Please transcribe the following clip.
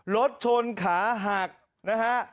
รถชนขาหักนะฮะ